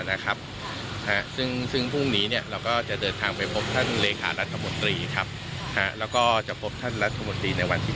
แล้วก็จะพบท่านรัฐมนตรีในวันที่๙อีก